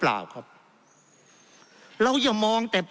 เพราะเรามี๕ชั่วโมงครับท่านนึง